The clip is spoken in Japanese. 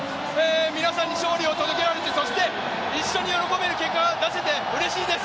皆さんに勝利を届けられてそして一緒に喜べる結果を出せてうれしいです。